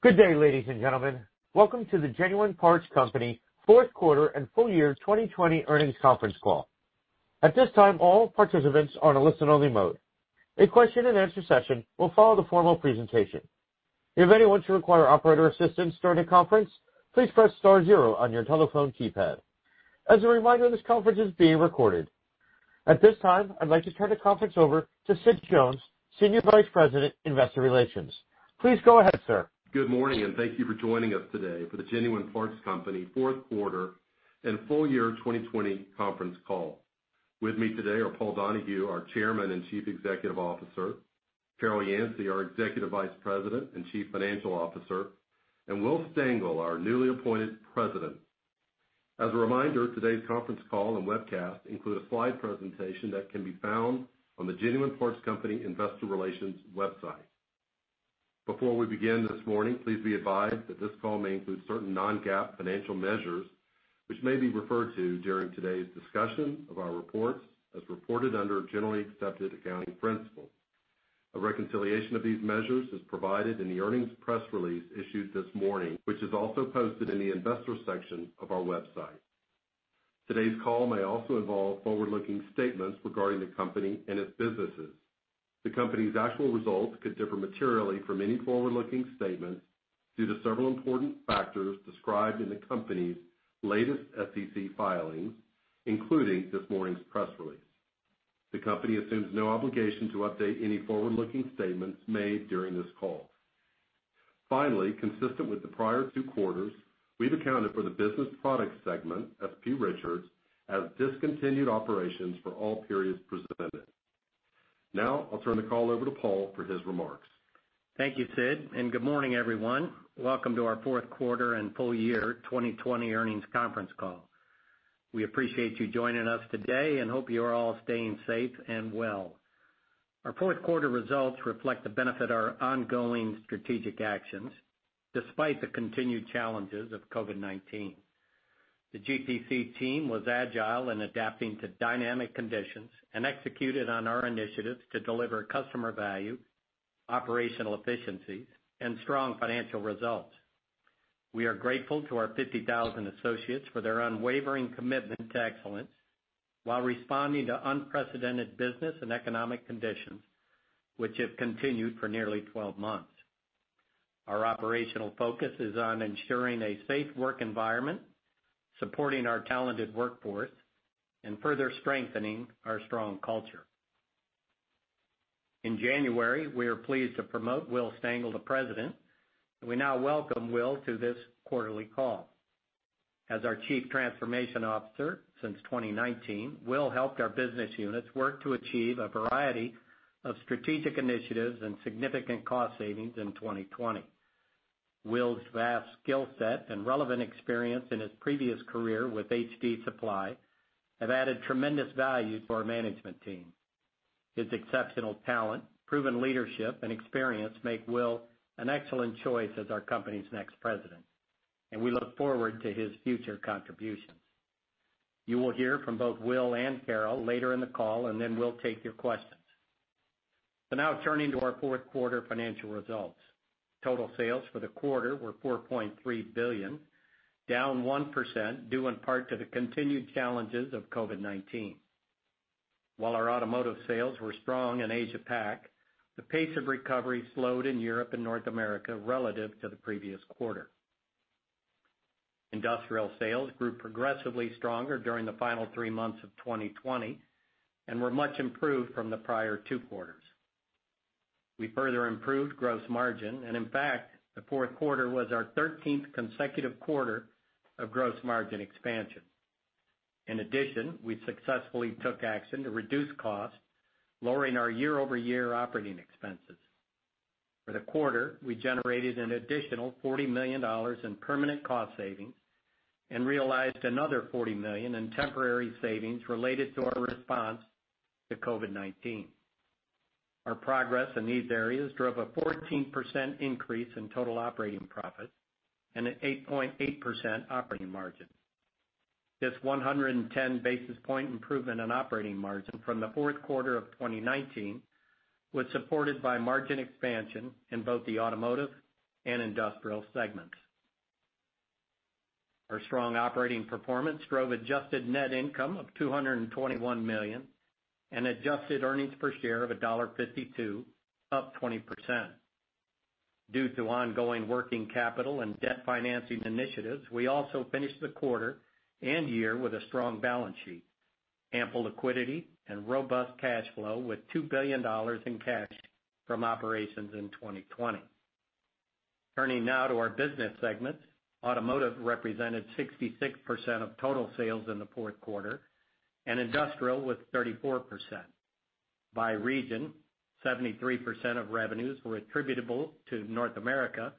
Good day, ladies and gentlemen. Welcome to the Genuine Parts Company fourth quarter and full-year 2020 earnings conference call. At this time, all participants are in a listen-only mode. A question and answer session will follow the formal presentation. If anyone should require operator assistance during the conference, please press star zero on your telephone keypad. As a reminder, this conference is being recorded. At this time, I'd like to turn the conference over to Sid Jones, Senior Vice President, Investor Relations. Please go ahead, sir. Good morning. Thank you for joining us today for the Genuine Parts Company fourth quarter and full-year 2020 conference call. With me today are Paul Donahue, our Chairman and Chief Executive Officer, Carol Yancey, our Executive Vice President and Chief Financial Officer, and Will Stengel, our newly appointed President. As a reminder, today's conference call and webcast include a slide presentation that can be found on the Genuine Parts Company investor relations website. Before we begin this morning, please be advised that this call may include certain non-GAAP financial measures, which may be referred to during today's discussion of our reports as reported under generally accepted accounting principles. A reconciliation of these measures is provided in the earnings press release issued this morning, which is also posted in the investor section of our website. Today's call may also involve forward-looking statements regarding the company and its businesses. The company's actual results could differ materially from any forward-looking statements due to several important factors described in the company's latest SEC filings, including this morning's press release. The company assumes no obligation to update any forward-looking statements made during this call. Finally, consistent with the prior two quarters, we've accounted for the business products segment, S.P. Richards, as discontinued operations for all periods presented. Now, I'll turn the call over to Paul for his remarks. Thank you, Sid, and good morning, everyone. Welcome to our fourth quarter and full-year 2020 earnings conference call. We appreciate you joining us today and hope you're all staying safe and well. Our fourth quarter results reflect the benefit of our ongoing strategic actions, despite the continued challenges of COVID-19. The GPC team was agile in adapting to dynamic conditions and executed on our initiatives to deliver customer value, operational efficiencies, and strong financial results. We are grateful to our 50,000 associates for their unwavering commitment to excellence while responding to unprecedented business and economic conditions, which have continued for nearly 12 months. Our operational focus is on ensuring a safe work environment, supporting our talented workforce, and further strengthening our strong culture. In January, we are pleased to promote Will Stengel to President, and we now welcome Will to this quarterly call. As our Chief Transformation Officer since 2019, Will helped our business units work to achieve a variety of strategic initiatives and significant cost savings in 2020. Will's vast skill set and relevant experience in his previous career with HD Supply have added tremendous value to our management team. His exceptional talent, proven leadership, and experience make Will an excellent choice as our company's next president, and we look forward to his future contributions. You will hear from both Will and Carol later in the call, and then we'll take your questions. Now turning to our fourth quarter financial results. Total sales for the quarter were $4.3 billion, down 1%, due in part to the continued challenges of COVID-19. While our automotive sales were strong in Asia-Pac, the pace of recovery slowed in Europe and North America relative to the previous quarter. Industrial sales grew progressively stronger during the final three months of 2020 and were much improved from the prior two quarters. We further improved gross margin, and in fact, the fourth quarter was our 13th consecutive quarter of gross margin expansion. In addition, we successfully took action to reduce costs, lowering our year-over-year operating expenses. For the quarter, we generated an additional $40 million in permanent cost savings and realized another $40 million in temporary savings related to our response to COVID-19. Our progress in these areas drove a 14% increase in total operating profit and an 8.8% operating margin. This 110 basis point improvement in operating margin from the fourth quarter of 2019 was supported by margin expansion in both the automotive and industrial segments. Our strong operating performance drove adjusted net income of $221 million and adjusted earnings per share of $1.52, up 20%. Due to ongoing working capital and debt financing initiatives, we also finished the quarter and year with a strong balance sheet, ample liquidity, and robust cash flow with $2 billion in cash from operations in 2020. Turning now to our business segments, Automotive represented 66% of total sales in the fourth quarter and Industrial was 34%. By region, 73% of revenues were attributable to North America,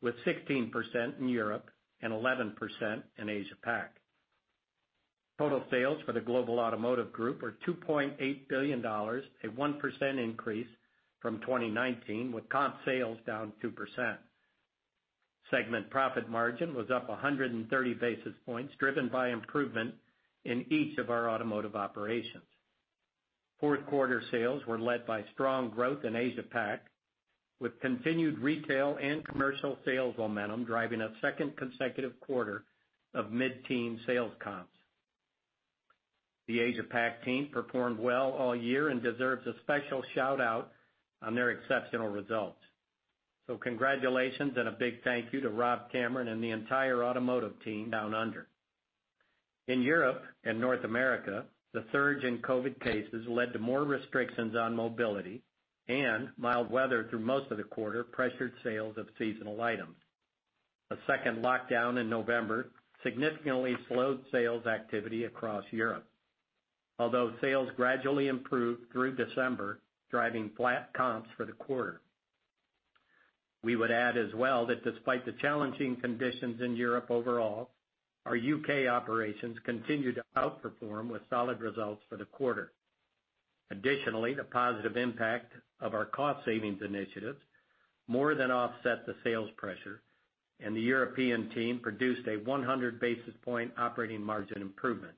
with 16% in Europe and 11% in Asia-Pac. Total sales for the global Automotive group were $2.8 billion, a 1% increase from 2019, with comp sales down 2%. Segment profit margin was up 130 basis points, driven by improvement in each of our Automotive operations. Fourth quarter sales were led by strong growth in Asia-Pac, with continued retail and commercial sales momentum driving a second consecutive quarter of mid-teen sales comps. The Asia Pac team performed well all year and deserves a special shout-out on their exceptional results. Congratulations, and a big thank you to Rob Cameron and the entire automotive team down under. In Europe and North America, the surge in COVID cases led to more restrictions on mobility, and mild weather through most of the quarter pressured sales of seasonal items. A second lockdown in November significantly slowed sales activity across Europe, although sales gradually improved through December, driving flat comps for the quarter. We would add as well that despite the challenging conditions in Europe overall, our UK operations continued to outperform with solid results for the quarter. Additionally, the positive impact of our cost savings initiatives more than offset the sales pressure, and the European team produced a 100 basis point operating margin improvement.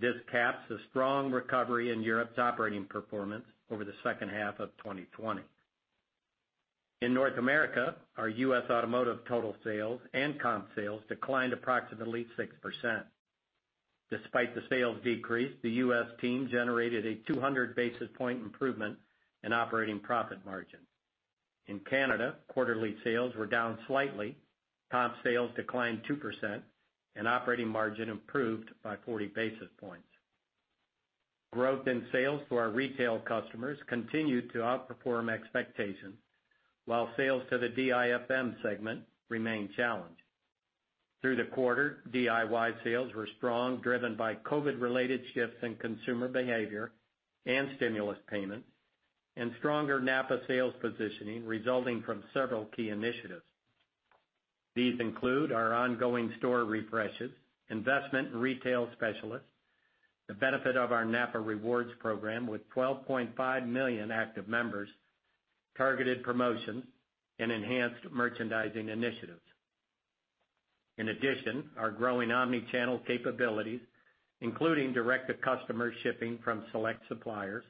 This caps a strong recovery in Europe's operating performance over the second half of 2020. In North America, our US automotive total sales and comp sales declined approximately 6%. Despite the sales decrease, the US team generated a 200 basis points improvement in operating profit margin. In Canada, quarterly sales were down slightly, comp sales declined 2%, and operating margin improved by 40 basis points. Growth in sales for our retail customers continued to outperform expectations, while sales to the DIFM segment remained challenged. Through the quarter, DIY sales were strong, driven by COVID-19-related shifts in consumer behavior and stimulus payments, and stronger NAPA sales positioning resulting from several key initiatives. These include our ongoing store refreshes, investment in retail specialists, the benefit of our NAPA Rewards program with 12.5 million active members, targeted promotions, and enhanced merchandising initiatives. In addition, our growing omni-channel capabilities, including direct-to-customer shipping from select suppliers,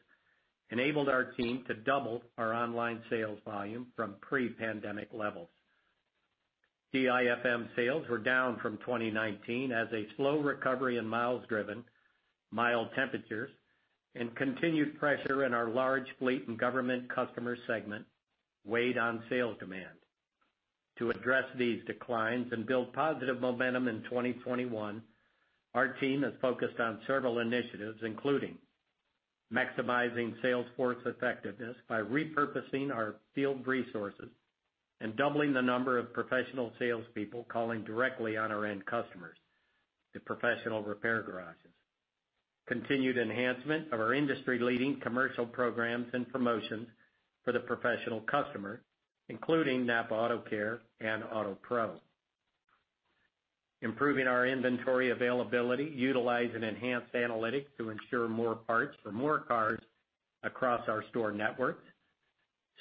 enabled our team to double our online sales volume from pre-pandemic levels. DIFM sales were down from 2019 as a slow recovery in miles driven, mild temperatures, and continued pressure in our large fleet and government customer segment weighed on sales demand. To address these declines and build positive momentum in 2021, our team has focused on several initiatives, including maximizing sales force effectiveness by repurposing our field resources and doubling the number of professional salespeople calling directly on our end customers, the professional repair garages. Continued enhancement of our industry-leading commercial programs and promotions for the professional customer, including NAPA AutoCare and AUTOPRO. Improving our inventory availability, utilizing enhanced analytics to ensure more parts for more cars across our store networks.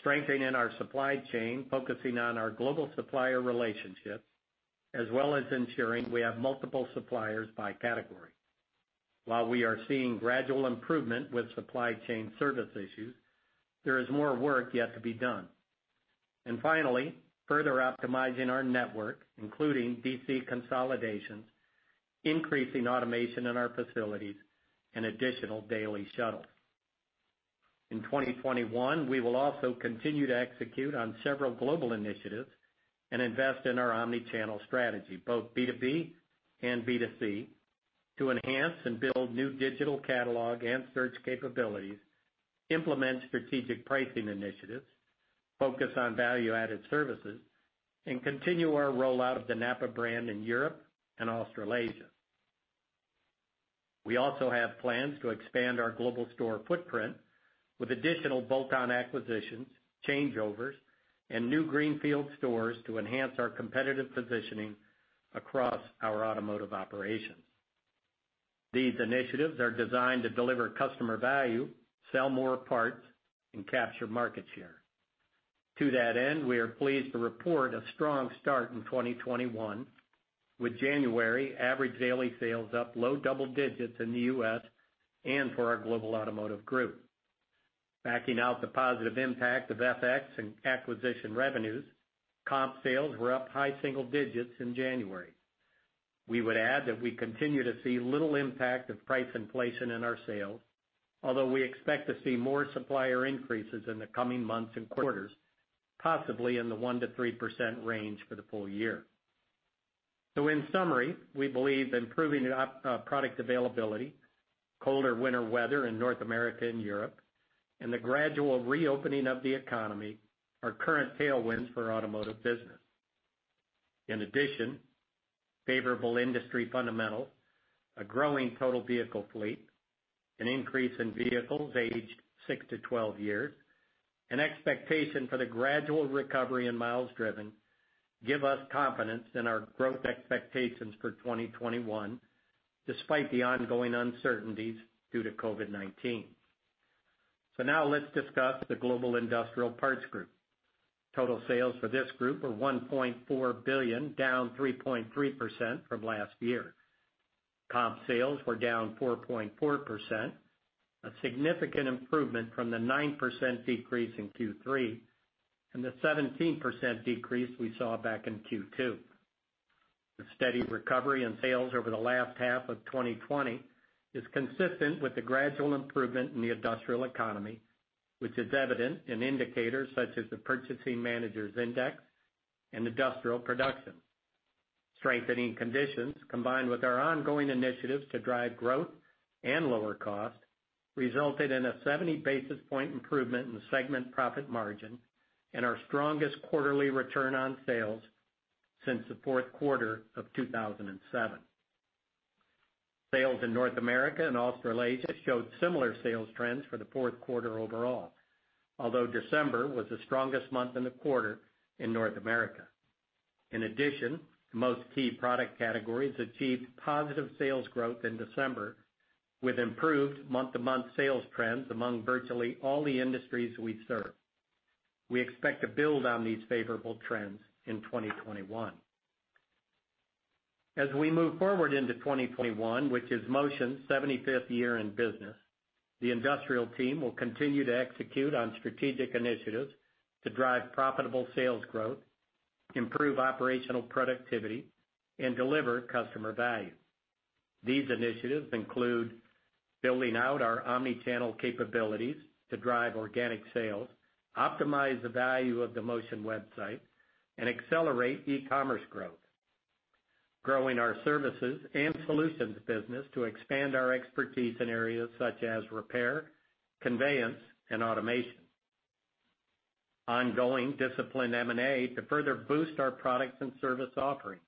Strengthening our supply chain, focusing on our global supplier relationships, as well as ensuring we have multiple suppliers by category. While we are seeing gradual improvement with supply chain service issues, there is more work yet to be done. Finally, further optimizing our network, including DC consolidations, increasing automation in our facilities, and additional daily shuttles. In 2021, we will also continue to execute on several global initiatives and invest in our omni-channel strategy, both B2B and B2C, to enhance and build new digital catalog and search capabilities, implement strategic pricing initiatives, focus on value-added services, and continue our rollout of the NAPA brand in Europe and Australasia. We also have plans to expand our global store footprint with additional bolt-on acquisitions, changeovers, and new greenfield stores to enhance our competitive positioning across our automotive operations. These initiatives are designed to deliver customer value, sell more parts, and capture market share. To that end, we are pleased to report a strong start in 2021, with January average daily sales up low double digits in the U.S. and for our global automotive group. Backing out the positive impact of FX and acquisition revenues, comp sales were up high single digits in January. We would add that we continue to see little impact of price inflation in our sales, although we expect to see more supplier increases in the coming months and quarters, possibly in the 1%-3% range for the full-year. In summary, we believe improving product availability, colder winter weather in North America and Europe, and the gradual reopening of the economy are current tailwinds for automotive business. In addition, favorable industry fundamentals, a growing total vehicle fleet, an increase in vehicles aged 6 to 12 years, and expectation for the gradual recovery in miles driven give us confidence in our growth expectations for 2021, despite the ongoing uncertainties due to COVID-19. Now let's discuss the global industrial parts group. Total sales for this group were $1.4 billion, down 3.3% from last year. Comp sales were down 4.4%, a significant improvement from the 9% decrease in Q3 and the 17% decrease we saw back in Q2. The steady recovery in sales over the last half of 2020 is consistent with the gradual improvement in the industrial economy, which is evident in indicators such as the Purchasing Managers' Index and industrial production. Strengthening conditions, combined with our ongoing initiatives to drive growth and lower cost, resulted in a 70 basis point improvement in segment profit margin and our strongest quarterly return on sales since the fourth quarter of 2007. Sales in North America and Australasia showed similar sales trends for the fourth quarter overall. Although December was the strongest month in the quarter in North America. In addition, most key product categories achieved positive sales growth in December, with improved month-to-month sales trends among virtually all the industries we serve. We expect to build on these favorable trends in 2021. As we move forward into 2021, which is Motion's 75th year in business, the industrial team will continue to execute on strategic initiatives to drive profitable sales growth, improve operational productivity, and deliver customer value. These initiatives include building out our omni-channel capabilities to drive organic sales, optimize the value of the Motion website, and accelerate e-commerce growth. Growing our services and solutions business to expand our expertise in areas such as repair, conveyance, and automation. Ongoing disciplined M&A to further boost our products and service offerings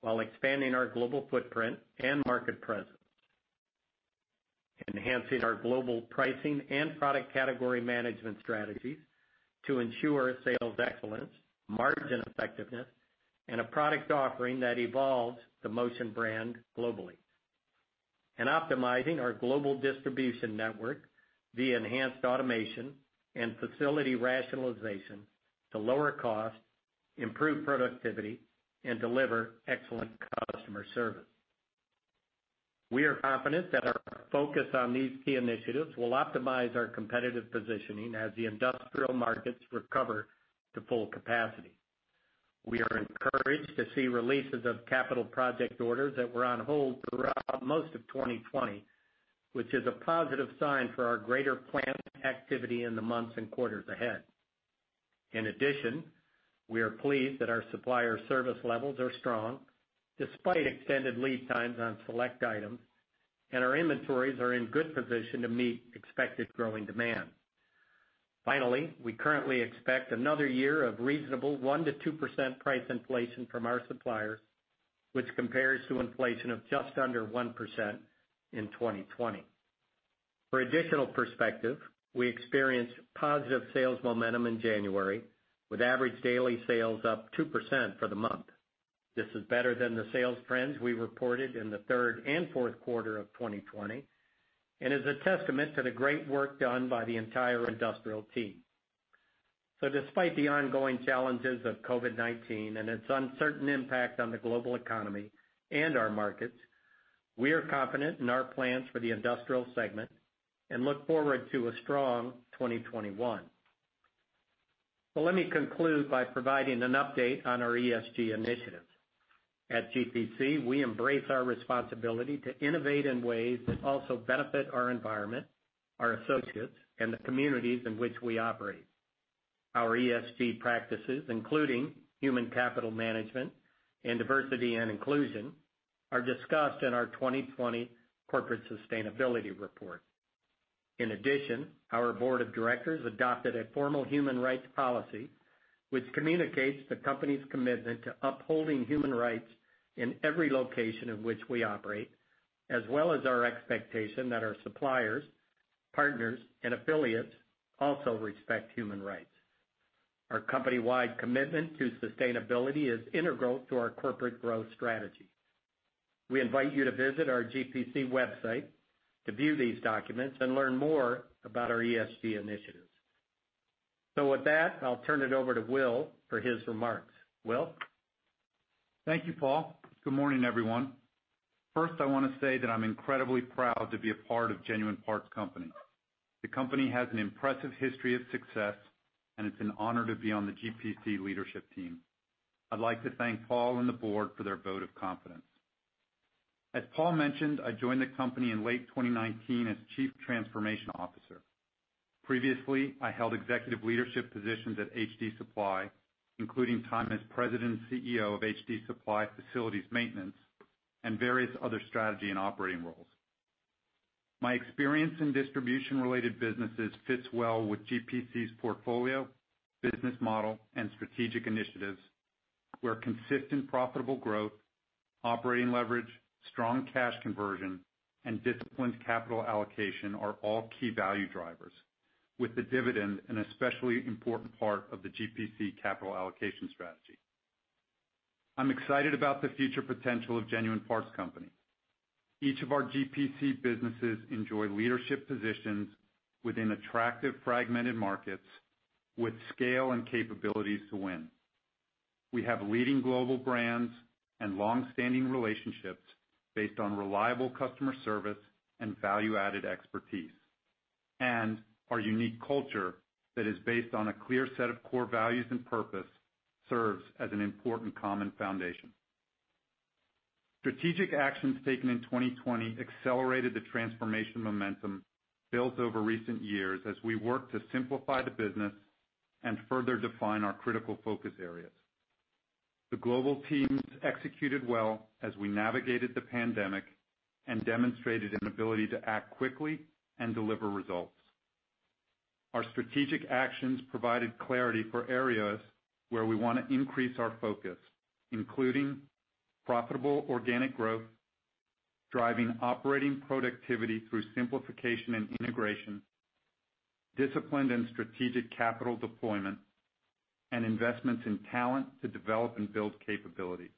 while expanding our global footprint and market presence. Enhancing our global pricing and product category management strategies to ensure sales excellence, margin effectiveness, and a product offering that evolves the Motion brand globally. Optimizing our global distribution network via enhanced automation and facility rationalization to lower cost, improve productivity, and deliver excellent customer service. We are confident that our focus on these key initiatives will optimize our competitive positioning as the industrial markets recover to full capacity. We are encouraged to see releases of capital project orders that were on hold throughout most of 2020, which is a positive sign for our greater plant activity in the months and quarters ahead. In addition, we are pleased that our supplier service levels are strong despite extended lead times on select items, and our inventories are in good position to meet expected growing demand. Finally, we currently expect another year of reasonable 1%-2% price inflation from our suppliers, which compares to inflation of just under 1% in 2020. For additional perspective, we experienced positive sales momentum in January with average daily sales up 2% for the month. This is better than the sales trends we reported in the third and fourth quarter of 2020 and is a testament to the great work done by the entire industrial team. Despite the ongoing challenges of COVID-19 and its uncertain impact on the global economy and our markets, we are confident in our plans for the industrial segment and look forward to a strong 2021. Let me conclude by providing an update on our ESG initiatives. At GPC, we embrace our responsibility to innovate in ways that also benefit our environment, our associates, and the communities in which we operate. Our ESG practices, including human capital management and diversity and inclusion, are discussed in our 2020 corporate sustainability report. In addition, our board of directors adopted a formal human rights policy, which communicates the company's commitment to upholding human rights in every location in which we operate, as well as our expectation that our suppliers, partners, and affiliates also respect human rights. Our company-wide commitment to sustainability is integral to our corporate growth strategy. We invite you to visit our GPC website to view these documents and learn more about our ESG initiatives. With that, I'll turn it over to Will for his remarks. Will? Thank you, Paul. Good morning, everyone. First, I want to say that I'm incredibly proud to be a part of Genuine Parts Company. The company has an impressive history of success, and it's an honor to be on the GPC leadership team. I'd like to thank Paul and the board for their vote of confidence. As Paul mentioned, I joined the company in late 2019 as Chief Transformation Officer. Previously, I held executive leadership positions at HD Supply, including time as President and CEO of HD Supply Facilities Maintenance and various other strategy and operating roles. My experience in distribution-related businesses fits well with GPC's portfolio, business model, and strategic initiatives where consistent profitable growth, operating leverage, strong cash conversion, and disciplined capital allocation are all key value drivers with the dividend an especially important part of the GPC capital allocation strategy. I'm excited about the future potential of Genuine Parts Company. Each of our GPC businesses enjoy leadership positions within attractive fragmented markets with scale and capabilities to win. We have leading global brands and longstanding relationships based on reliable customer service and value-added expertise. Our unique culture, that is based on a clear set of core values and purpose, serves as an important common foundation. Strategic actions taken in 2020 accelerated the transformation momentum built over recent years as we worked to simplify the business and further define our critical focus areas. The global teams executed well as we navigated the pandemic and demonstrated an ability to act quickly and deliver results. Our strategic actions provided clarity for areas where we want to increase our focus, including profitable organic growth, driving operating productivity through simplification and integration, disciplined and strategic capital deployment, and investments in talent to develop and build capabilities.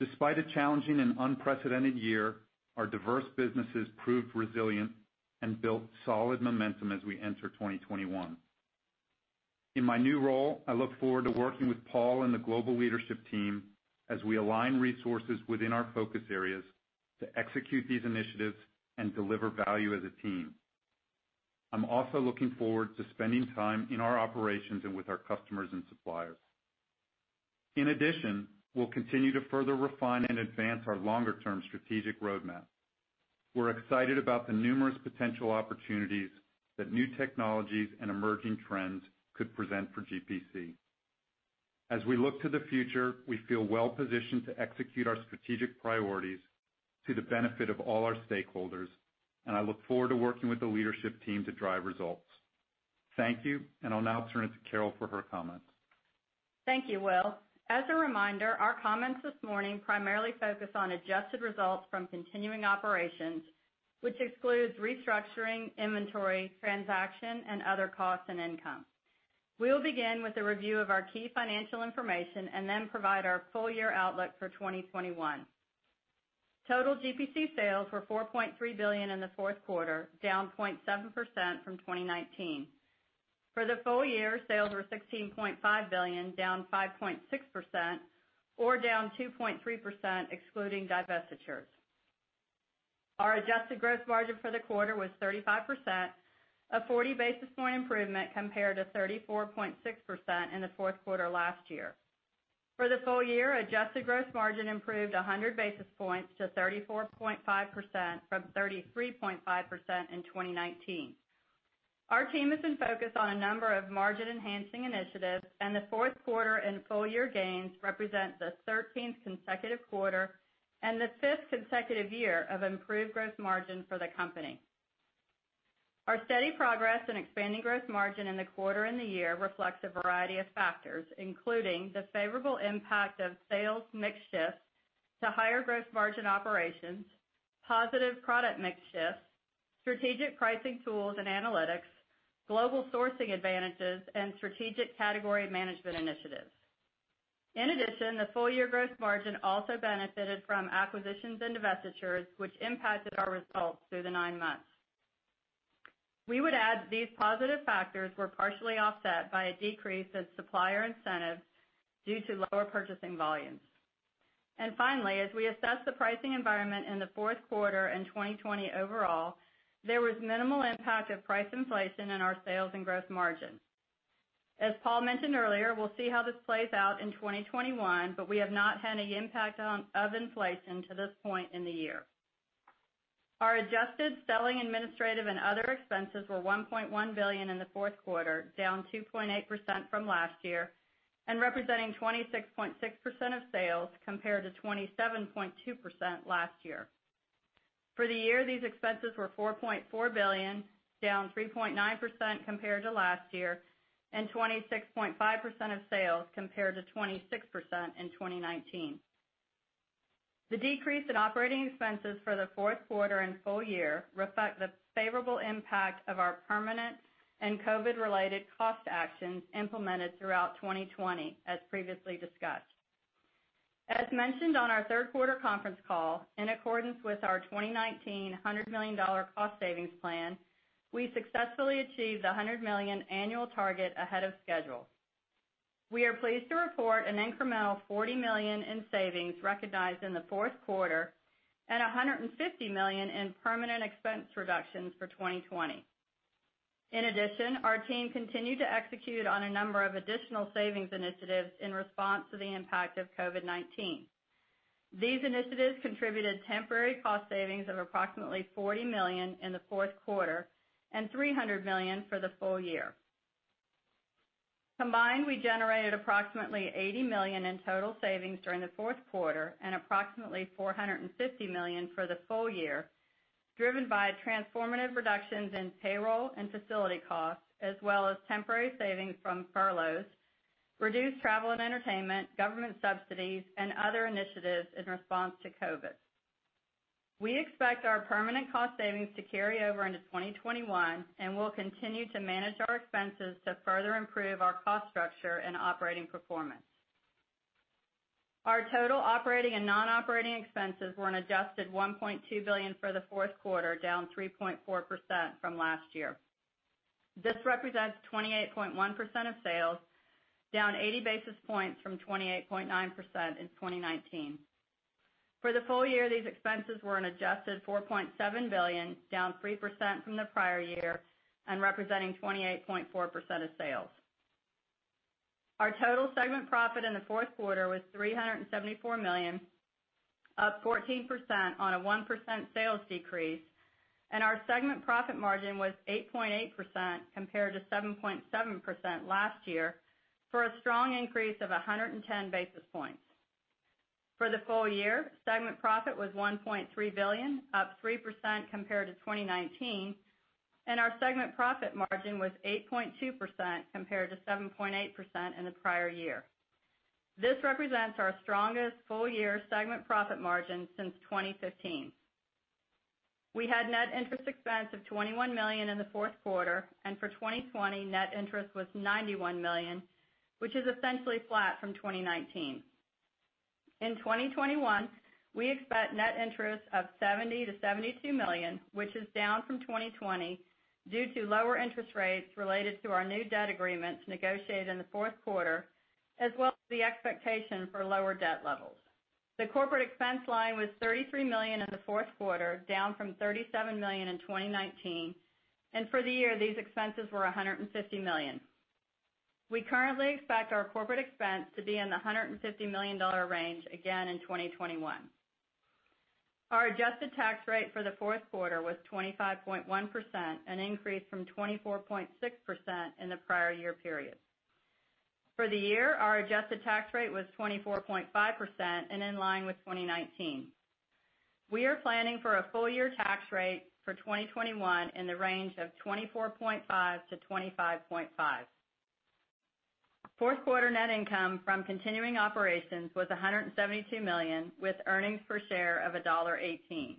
Despite a challenging and unprecedented year, our diverse businesses proved resilient and built solid momentum as we enter 2021. In my new role, I look forward to working with Paul and the global leadership team as we align resources within our focus areas to execute these initiatives and deliver value as a team. I'm also looking forward to spending time in our operations and with our customers and suppliers. In addition, we'll continue to further refine and advance our longer-term strategic roadmap. We're excited about the numerous potential opportunities that new technologies and emerging trends could present for GPC. As we look to the future, we feel well-positioned to execute our strategic priorities to the benefit of all our stakeholders, and I look forward to working with the leadership team to drive results. Thank you, and I'll now turn it to Carol for her comments. Thank you, Will. As a reminder, our comments this morning primarily focus on adjusted results from continuing operations, which excludes restructuring, inventory, transaction, and other costs and income. We will begin with a review of our key financial information and then provide our full-year outlook for 2021. Total GPC sales were $4.3 billion in the fourth quarter, down 0.7% from 2019. For the full-year, sales were $16.5 billion, down 5.6%, or down 2.3% excluding divestitures. Our adjusted gross margin for the quarter was 35%, a 40 basis point improvement compared to 34.6% in the fourth quarter last year. For the full-year, adjusted gross margin improved 100 basis points to 34.5% from 33.5% in 2019. Our team has been focused on a number of margin-enhancing initiatives, and the fourth quarter and full-year gains represent the 13th consecutive quarter and the fifth consecutive year of improved gross margin for the company. Our steady progress in expanding gross margin in the quarter and the year reflects a variety of factors, including the favorable impact of sales mix shifts to higher gross margin operations, positive product mix shifts, strategic pricing tools and analytics, global sourcing advantages, and strategic category management initiatives. The full-year gross margin also benefited from acquisitions and divestitures, which impacted our results through the nine months. We would add these positive factors were partially offset by a decrease in supplier incentives due to lower purchasing volumes. Finally, as we assess the pricing environment in the fourth quarter and 2020 overall, there was minimal impact of price inflation in our sales and gross margin. As Paul mentioned earlier, we'll see how this plays out in 2021, but we have not had any impact of inflation to this point in the year. Our adjusted selling administrative and other expenses were $1.1 billion in the fourth quarter, down 2.8% from last year and representing 26.6% of sales, compared to 27.2% last year. For the year, these expenses were $4.4 billion, down 3.9% compared to last year and 26.5% of sales, compared to 26% in 2019. The decrease in operating expenses for the fourth quarter and full-year reflect the favorable impact of our permanent and COVID-19-related cost actions implemented throughout 2020, as previously discussed. As mentioned on our third-quarter conference call, in accordance with our 2019 $100 million cost savings plan, we successfully achieved the $100 million annual target ahead of schedule. We are pleased to report an incremental $40 million in savings recognized in the fourth quarter and $150 million in permanent expense reductions for 2020. In addition, our team continued to execute on a number of additional savings initiatives in response to the impact of COVID-19. These initiatives contributed temporary cost savings of approximately $40 million in the fourth quarter and $300 million for the full-year. Combined, we generated approximately $80 million in total savings during the fourth quarter and approximately $450 million for the full-year, driven by transformative reductions in payroll and facility costs, as well as temporary savings from furloughs, reduced travel and entertainment, government subsidies, and other initiatives in response to COVID. We expect our permanent cost savings to carry over into 2021, and we'll continue to manage our expenses to further improve our cost structure and operating performance. Our total operating and non-operating expenses were an adjusted $1.2 billion for the fourth quarter, down 3.4% from last year. This represents 28.1% of sales, down 80 basis points from 28.9% in 2019. For the full-year, these expenses were an adjusted $4.7 billion, down 3% from the prior year and representing 28.4% of sales. Our total segment profit in the fourth quarter was $374 million, up 14% on a 1% sales decrease, and our segment profit margin was 8.8% compared to 7.7% last year, for a strong increase of 110 basis points. For the full-year, segment profit was $1.3 billion, up 3% compared to 2019, and our segment profit margin was 8.2% compared to 7.8% in the prior year. This represents our strongest full-year segment profit margin since 2015. We had net interest expense of $21 million in the fourth quarter, and for 2020, net interest was $91 million, which is essentially flat from 2019. In 2021, we expect net interest of $70 million-$72 million, which is down from 2020 due to lower interest rates related to our new debt agreements negotiated in the fourth quarter, as well as the expectation for lower debt levels. The corporate expense line was $33 million in the fourth quarter, down from $37 million in 2019. For the year, these expenses were $150 million. We currently expect our corporate expense to be in the $150 million range again in 2021. Our adjusted tax rate for the fourth quarter was 25.1%, an increase from 24.6% in the prior year period. For the year, our adjusted tax rate was 24.5% and in line with 2019. We are planning for a full-year tax rate for 2021 in the range of 24.5%-25.5%. Fourth quarter net income from continuing operations was $172 million, with earnings per share of $1.18.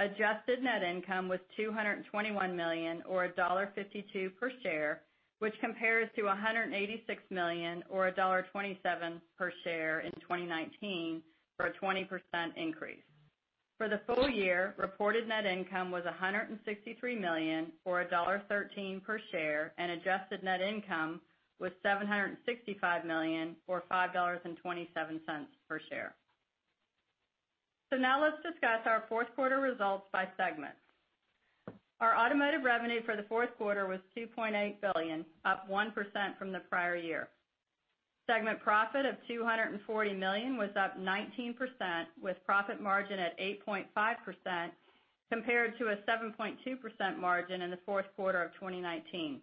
Adjusted net income was $221 million, or $1.52 per share, which compares to $186 million or $1.27 per share in 2019 for a 20% increase. For the full-year, reported net income was $163 million, or $1.13 per share, and adjusted net income was $765 million, or $5.27 per share. Now let's discuss our fourth quarter results by segment. Our automotive revenue for the fourth quarter was $2.8 billion, up 1% from the prior year. Segment profit of $240 million was up 19%, with profit margin at 8.5%, compared to a 7.2% margin in the fourth quarter of 2019.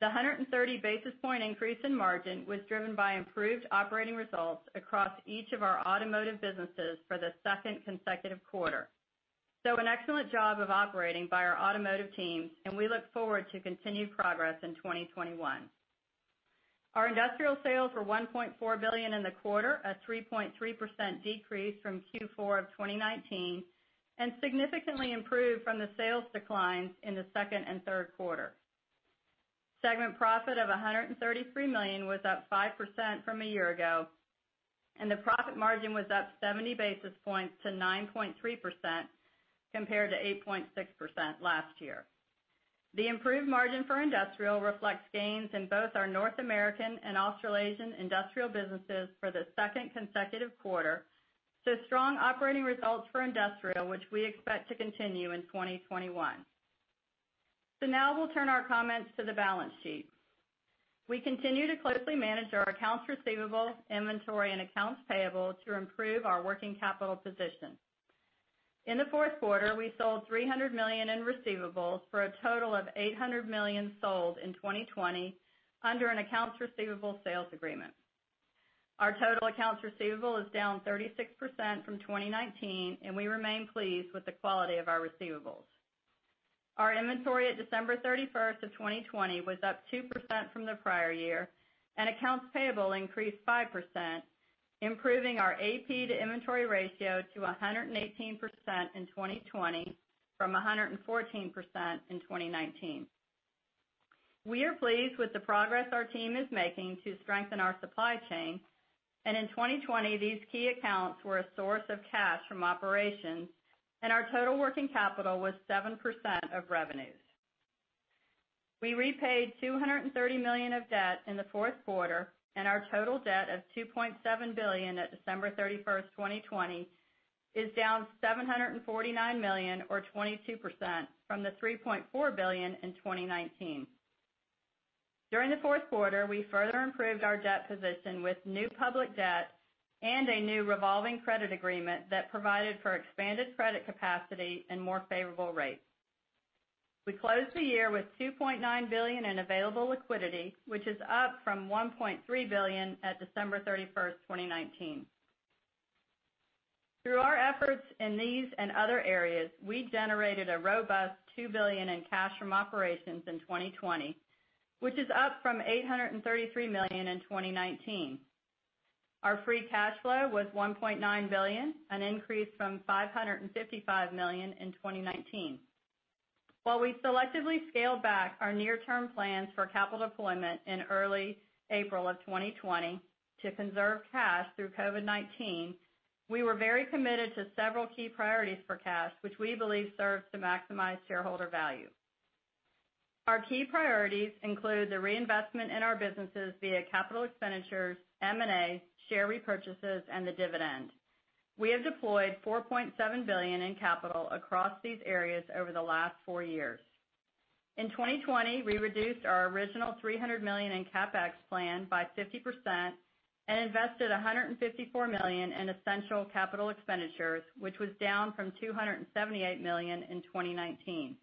The 130-basis-point increase in margin was driven by improved operating results across each of our automotive businesses for the second consecutive quarter. An excellent job of operating by our automotive teams, and we look forward to continued progress in 2021. Our industrial sales were $1.4 billion in the quarter, a 3.3% decrease from Q4 of 2019, significantly improved from the sales declines in the second and third quarter. Segment profit of $133 million was up 5% from a year ago, the profit margin was up 70 basis points to 9.3%, compared to 8.6% last year. The improved margin for industrial reflects gains in both our North American and Australasian industrial businesses for the second consecutive quarter. Strong operating results for industrial, which we expect to continue in 2021. Now we'll turn our comments to the balance sheet. We continue to closely manage our accounts receivable, inventory, and accounts payable to improve our working capital position. In the fourth quarter, we sold $300 million in receivables for a total of $800 million sold in 2020 under an accounts receivable sales agreement. Our total accounts receivable is down 36% from 2019, and we remain pleased with the quality of our receivables. Our inventory at December 31st of 2020 was up 2% from the prior year, and accounts payable increased 5%, improving our AP to inventory ratio to 118% in 2020 from 114% in 2019. We are pleased with the progress our team is making to strengthen our supply chain, and in 2020, these key accounts were a source of cash from operations, and our total working capital was 7% of revenues. We repaid $230 million of debt in the fourth quarter, and our total debt of $2.7 billion at December 31st, 2020 is down $749 million or 22% from the $3.4 billion in 2019. During the fourth quarter, we further improved our debt position with new public debt and a new revolving credit agreement that provided for expanded credit capacity and more favorable rates. We closed the year with $2.9 billion in available liquidity, which is up from $1.3 billion at December 31st, 2019. Through our efforts in these and other areas, we generated a robust $2 billion in cash from operations in 2020, which is up from $833 million in 2019. Our free cash flow was $1.9 billion, an increase from $555 million in 2019. While we selectively scaled back our near-term plans for capital deployment in early April of 2020 to conserve cash through COVID-19, we were very committed to several key priorities for cash, which we believe serves to maximize shareholder value. Our key priorities include the reinvestment in our businesses via capital expenditures, M&A, share repurchases, and the dividend. We have deployed $4.7 billion in capital across these areas over the last four years. In 2020, we reduced our original $300 million in CapEx plan by 50% and invested $154 million in essential capital expenditures, which was down from $278 million in 2019.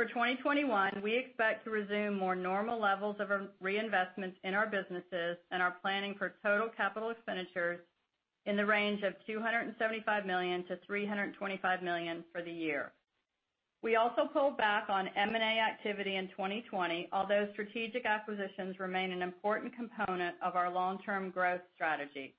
For 2021, we expect to resume more normal levels of reinvestments in our businesses and are planning for total capital expenditures in the range of $275 million-$325 million for the year. We also pulled back on M&A activity in 2020, although strategic acquisitions remain an important component of our long-term growth strategy.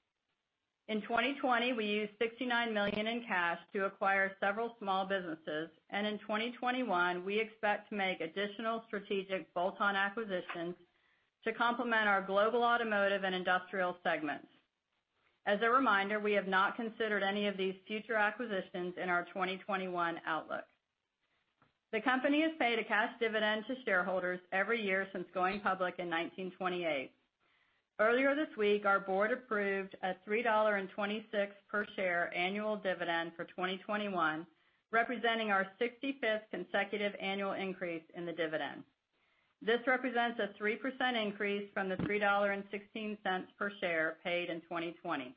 In 2020, we used $69 million in cash to acquire several small businesses, and in 2021, we expect to make additional strategic bolt-on acquisitions to complement our global automotive and industrial segments. As a reminder, we have not considered any of these future acquisitions in our 2021 outlook. The company has paid a cash dividend to shareholders every year since going public in 1928. Earlier this week, our board approved a $3.26 per share annual dividend for 2021, representing our 65th consecutive annual increase in the dividend. This represents a 3% increase from the $3.16 per share paid in 2020.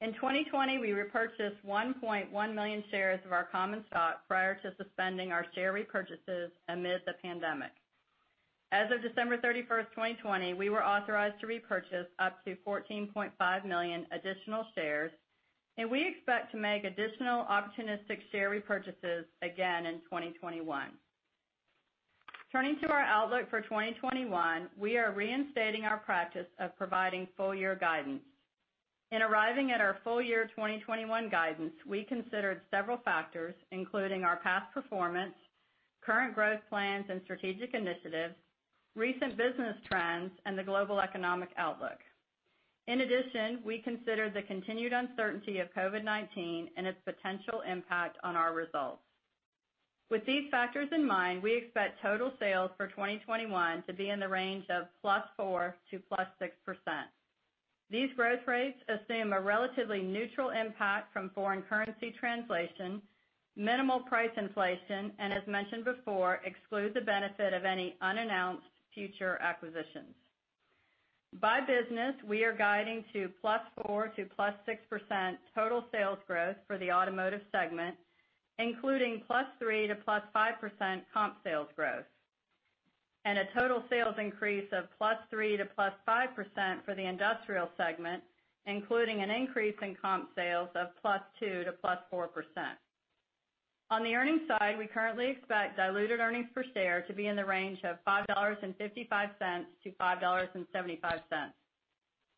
In 2020, we repurchased 1.1 million shares of our common stock prior to suspending our share repurchases amid the pandemic. As of December 31st, 2020, we were authorized to repurchase up to 14.5 million additional shares, and we expect to make additional opportunistic share repurchases again in 2021. Turning to our outlook for 2021, we are reinstating our practice of providing full-year guidance. In arriving at our full-year 2021 guidance, we considered several factors, including our past performance, current growth plans and strategic initiatives, recent business trends, and the global economic outlook. In addition, we considered the continued uncertainty of COVID-19 and its potential impact on our results. With these factors in mind, we expect total sales for 2021 to be in the range of +4% to +6%. These growth rates assume a relatively neutral impact from foreign currency translation, minimal price inflation, and as mentioned before, exclude the benefit of any unannounced future acquisitions. By business, we are guiding to +4% to +6% total sales growth for the Automotive segment, including +3% to +5% comp sales growth, and a total sales increase of +3% to +5% for the Industrial segment, including an increase in comp sales of +2% to +4%. On the earnings side, we currently expect diluted earnings per share to be in the range of $5.55-$5.75.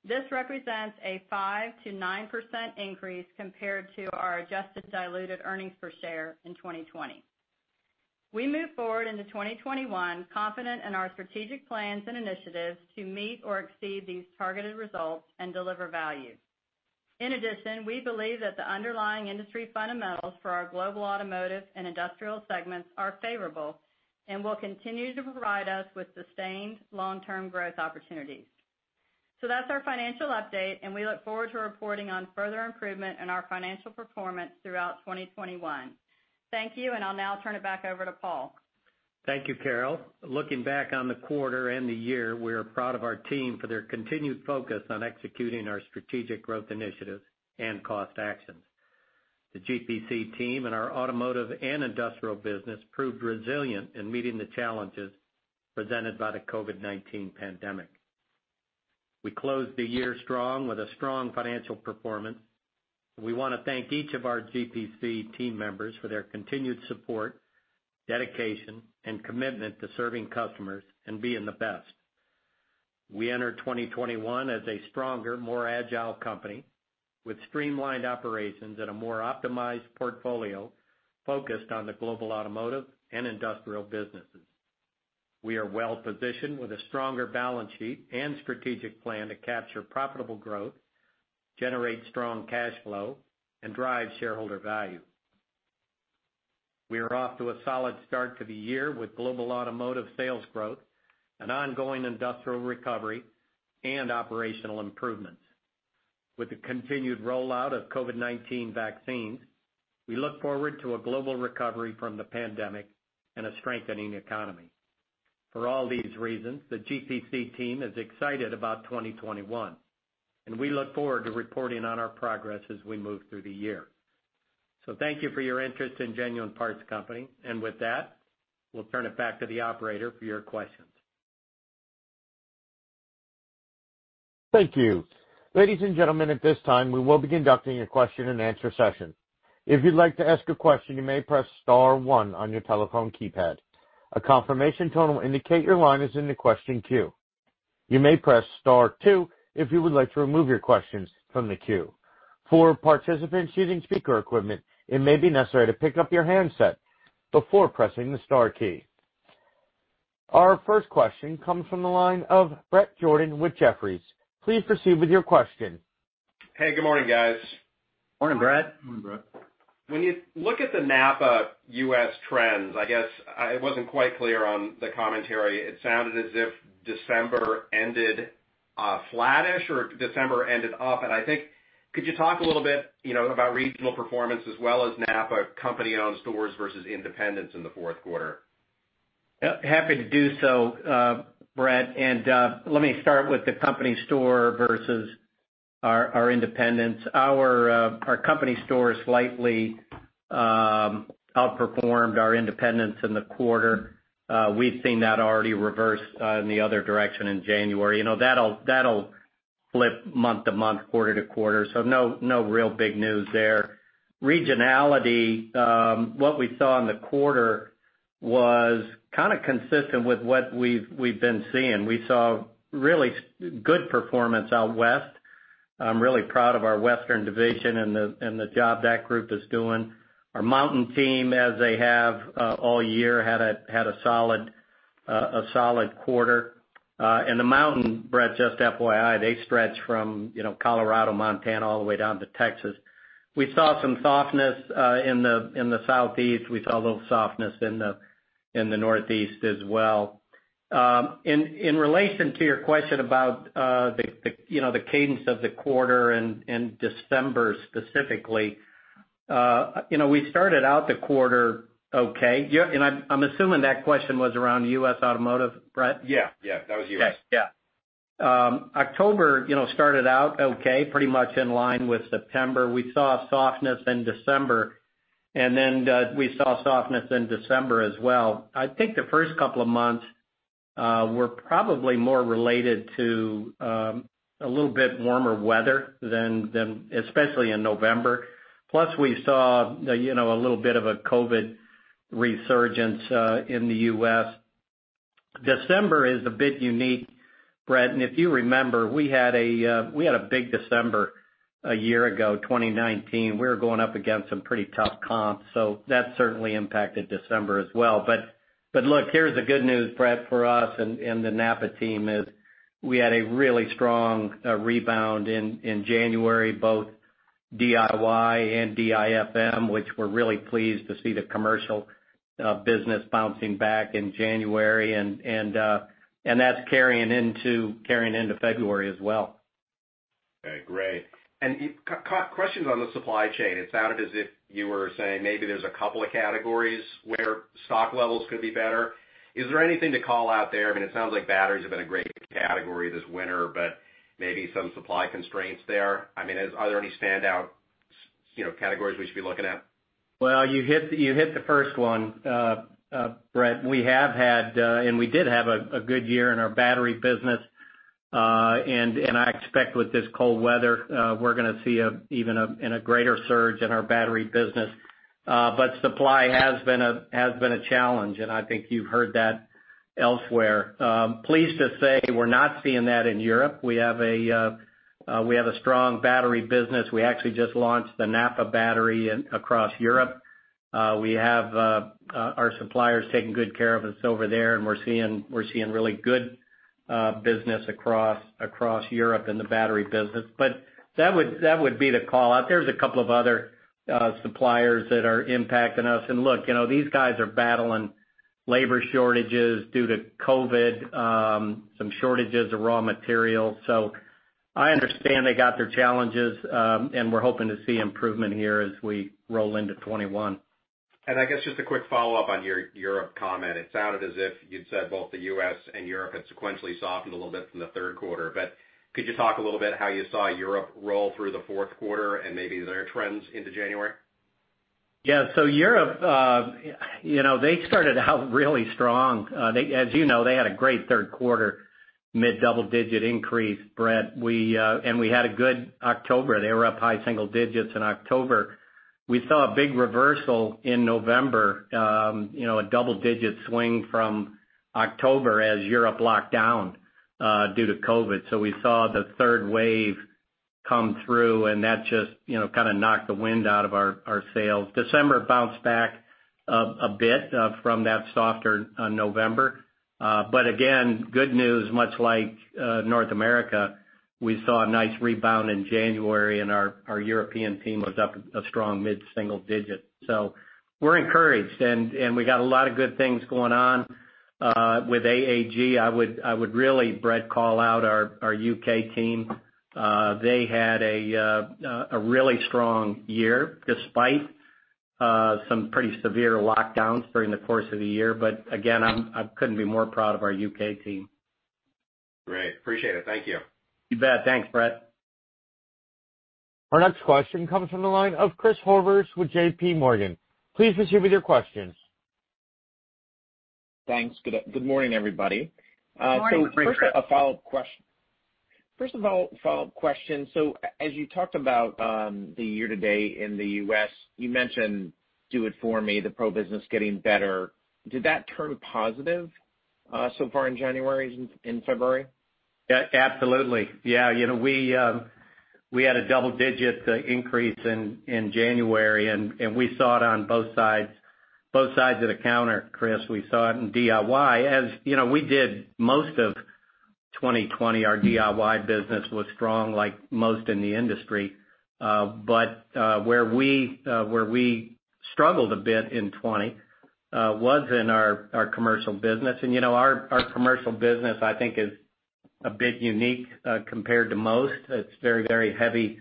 This represents a 5%-9% increase compared to our adjusted diluted earnings per share in 2020. We move forward into 2021 confident in our strategic plans and initiatives to meet or exceed these targeted results and deliver value. In addition, we believe that the underlying industry fundamentals for our global Automotive and Industrial segments are favorable and will continue to provide us with sustained long-term growth opportunities. That's our financial update, and we look forward to reporting on further improvement in our financial performance throughout 2021. Thank you, and I'll now turn it back over to Paul. Thank you, Carol. Looking back on the quarter and the year, we are proud of our team for their continued focus on executing our strategic growth initiatives and cost actions. The GPC team and our Automotive and Industrial business proved resilient in meeting the challenges presented by the COVID-19 pandemic. We closed the year strong with a strong financial performance. We want to thank each of our GPC team members for their continued support, dedication, and commitment to serving customers and being the best. We enter 2021 as a stronger, more agile company with streamlined operations and a more optimized portfolio focused on the global Automotive and Industrial businesses. We are well-positioned with a stronger balance sheet and strategic plan to capture profitable growth, generate strong cash flow, and drive shareholder value. We are off to a solid start to the year with global Automotive sales growth, an ongoing Industrial recovery, and operational improvements. With the continued rollout of COVID-19 vaccines, we look forward to a global recovery from the pandemic and a strengthening economy. For all these reasons, the GPC team is excited about 2021, and we look forward to reporting on our progress as we move through the year. Thank you for your interest in Genuine Parts Company. With that, we'll turn it back to the operator for your questions. Thank you. Ladies and gentlemen, at this time, we will be conducting a question-and-answer session. If you'd like to ask a question, you may press star one on your telephone keypad. A confirmation tone will indicate your line is in the question queue. You may press star two if you would like to remove your questions from the queue. For participants using speaker equipment, it may be necessary to pick up your handset before pressing the star key. Our first question comes from the line of Bret Jordan with Jefferies. Please proceed with your question. Hey, good morning, guys. Morning, Bret. Morning, Bret. When you look at the NAPA US trends, I guess I wasn't quite clear on the commentary. It sounded as if December ended flat, or December ended up. I think could you talk a little bit about regional performance as well as NAPA company-owned stores versus independents in the fourth quarter? Happy to do so, Bret. Let me start with the company store versus our independents. Our company stores slightly outperformed our independents in the quarter. We've seen that already reverse in the other direction in January. That'll flip month to month, quarter-to-quarter, so no real big news there. Regionality, what we saw in the quarter was kind of consistent with what we've been seeing. We saw really good performance out West. I'm really proud of our Western division and the job that group is doing. Our Mountain team, as they have all year, had a solid quarter. The Mountain, Bret, just FYI, they stretch from Colorado, Montana, all the way down to Texas. We saw some softness in the Southeast. We saw a little softness in the Northeast as well. In relation to your question about the cadence of the quarter in December specifically, we started out the quarter okay. I'm assuming that question was around US Automotive, Bret? Yeah. That was U.S. Yeah. October started out okay, pretty much in line with September. We saw a softness in December, and then we saw softness in December as well. I think the first couple of months were probably more related to a little bit warmer weather, especially in November. We saw a little bit of a COVID resurgence in the U.S. December is a bit unique, Bret, if you remember, we had a big December a year ago, 2019. We were going up against some pretty tough comps, that certainly impacted December as well. Look, here's the good news, Bret, for us and the NAPA team is we had a really strong rebound in January, both DIY and DIFM, which we're really pleased to see the commercial business bouncing back in January. That's carrying into February as well. Okay, great. Questions on the supply chain. It sounded as if you were saying maybe there's a couple of categories where stock levels could be better. Is there anything to call out there? It sounds like batteries have been a great category this winter, but maybe some supply constraints there. Are there any standout categories we should be looking at? Well, you hit the first one, Bret. We have had, and we did have a good year in our battery business. I expect with this cold weather, we're going to see even a greater surge in our battery business. Supply has been a challenge, and I think you've heard that elsewhere. Pleased to say we're not seeing that in Europe. We have a strong battery business. We actually just launched the NAPA battery across Europe. We have our suppliers taking good care of us over there, and we're seeing really good business across Europe in the battery business. That would be the call-out. There's a couple of other suppliers that are impacting us. Look, these guys are battling labor shortages due to COVID, some shortages of raw materials. I understand they got their challenges, and we're hoping to see improvement here as we roll into 2021. I guess just a quick follow-up on your Europe comment. It sounded as if you'd said both the U.S. and Europe had sequentially softened a little bit from the third quarter. Could you talk a little bit how you saw Europe roll through the fourth quarter and maybe their trends into January? Yeah. Europe, they started out really strong. As you know, they had a great third quarter, mid-double-digit increase, Bret. We had a good October. They were up high single digits in October. We saw a big reversal in November, a double-digit swing from October as Europe locked down due to COVID. We saw the third wave come through, and that just kind of knocked the wind out of our sails. December bounced back a bit from that softer November. Again, good news, much like North America, we saw a nice rebound in January, and our European team was up a strong mid-single digit. We're encouraged, and we got a lot of good things going on with AAG. I would really, Bret, call out our UK team. They had a really strong year, despite some pretty severe lockdowns during the course of the year. Again, I couldn't be more proud of our UK team. Great. Appreciate it. Thank you. You bet. Thanks, Bret. Our next question comes from the line of Christopher Horvers with JPMorgan. Please proceed with your questions. Thanks. Good morning, everybody. Good morning. First, a follow-up question. As you talked about the year-to-date in the U.S., you mentioned Do It For Me, the pro business getting better. Did that turn positive so far in January, in February? Absolutely. Yeah. We had a double-digit increase in January. We saw it on both sides of the counter, Chris. We saw it in DIY, as we did most of 2020. Our DIY business was strong like most in the industry. Where we struggled a bit in 2020 was in our commercial business. Our commercial business, I think, is a bit unique compared to most. It's very heavy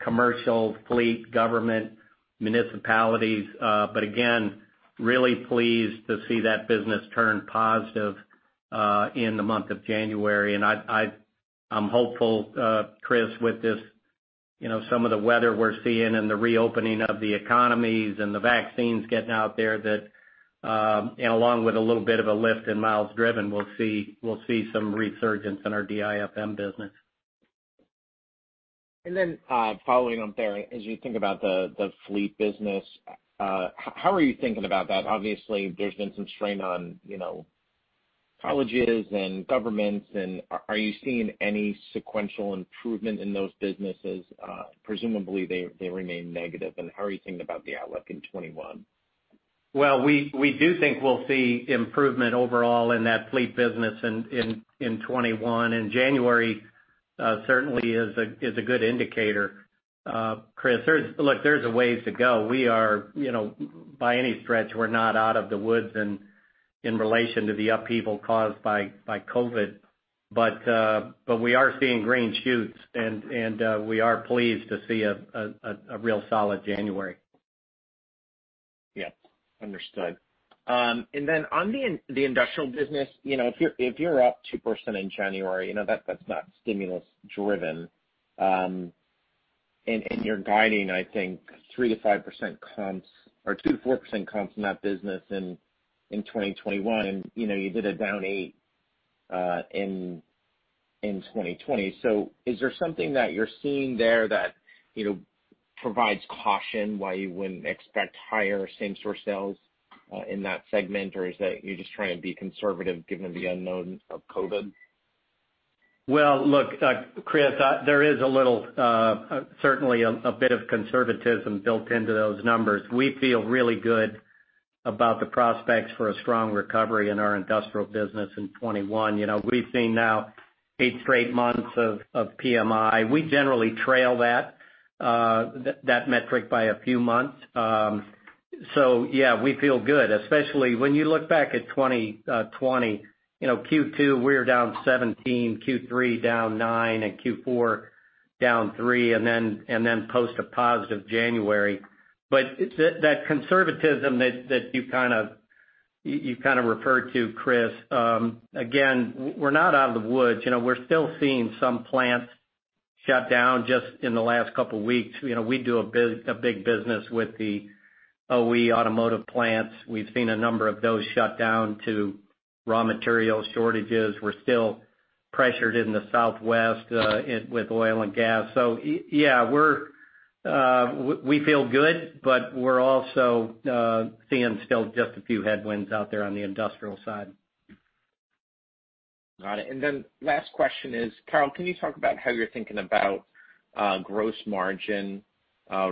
commercial, fleet, government, municipalities. Again, really pleased to see that business turn positive in the month of January. I'm hopeful, Chris, with this, some of the weather we're seeing and the reopening of the economies and the vaccines getting out there that, and along with a little bit of a lift in miles driven, we'll see some resurgence in our DIFM business. Following up there, as you think about the fleet business, how are you thinking about that? Obviously, there's been some strain on colleges and governments, are you seeing any sequential improvement in those businesses? Presumably, they remain negative, how are you thinking about the outlook in 2021? Well, we do think we'll see improvement overall in that fleet business in 2021, and January certainly is a good indicator. Chris, look, there's a ways to go. By any stretch, we're not out of the woods and in relation to the upheaval caused by COVID-19, but we are seeing green shoots, and we are pleased to see a real solid January. Yeah. Understood. Then on the industrial business, if you're up 2% in January, that's not stimulus driven. You're guiding, I think, 3%-5% comps or 2%-4% comps in that business in 2021. You did a down eight in 2020. Is there something that you're seeing there that provides caution why you wouldn't expect higher same-store sales in that segment? Is that you're just trying to be conservative given the unknowns of COVID-19? Look, Chris, there is certainly a bit of conservatism built into those numbers. We feel really good about the prospects for a strong recovery in our industrial business in 2021. We've seen now eight straight months of PMI. We generally trail that metric by a few months. Yeah, we feel good, especially when you look back at 2020. Q2, we were down 17, Q3 down nine, and Q4 down three, and then post a positive January. That conservatism that you kind of referred to, Chris, again, we're not out of the woods. We're still seeing some plants shut down just in the last couple weeks. We do a big business with the OE automotive plants. We've seen a number of those shut down to raw material shortages. We're still pressured in the Southwest with oil and gas. Yeah, we feel good, but we're also seeing still just a few headwinds out there on the industrial side. Got it. Last question is, Carol, can you talk about how you're thinking about gross margin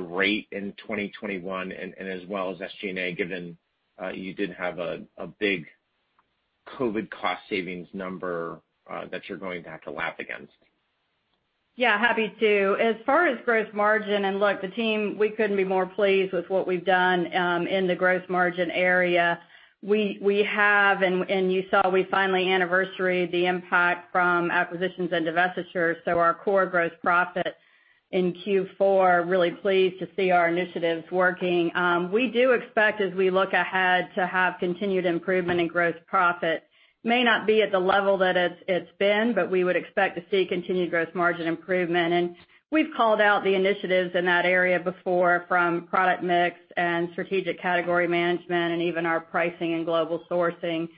rate in 2021 and as well as SG&A, given you did have a big COVID cost savings number that you're going to have to lap against? Yeah, happy to. As far as gross margin, and look, the team, we couldn't be more pleased with what we've done in the gross margin area. We have, and you saw we finally anniversaried the impact from acquisitions and divestitures, so our core gross profit in Q4, really pleased to see our initiatives working. We do expect, as we look ahead, to have continued improvement in gross profit. May not be at the level that it's been, but we would expect to see continued gross margin improvement. We've called out the initiatives in that area before from product mix and strategic category management and even our pricing and global sourcing.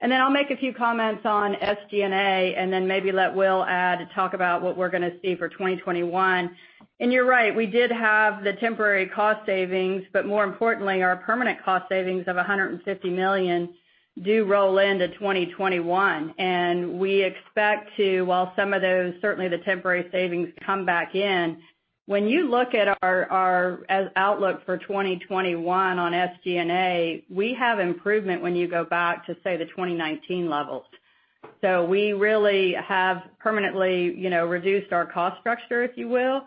Then I'll make a few comments on SG&A, and then maybe let Will add to talk about what we're going to see for 2021. You're right. We did have the temporary cost savings. More importantly, our permanent cost savings of $150 million do roll into 2021. We expect to, while some of those, certainly the temporary savings come back in, when you look at our outlook for 2021 on SG&A, we have improvement when you go back to, say, the 2019 levels. We really have permanently reduced our cost structure, if you will.